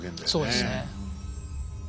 そうですね。